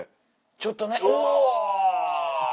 ちょっとねうお。